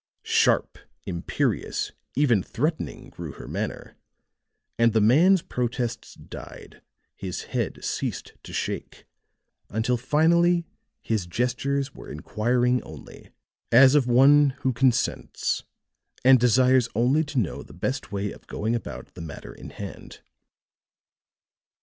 Sharp, imperious, even threatening grew her manner; and the man's protests died, his head ceased to shake, until finally his gestures were inquiring only, as of one who consents and desires only to know the best way of going about the matter in hand.